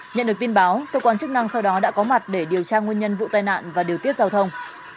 nhận được tin báo tqc sau đó đã có mặt để điều tra nguyên nhân vụ tai nạn và điều tiết giao thông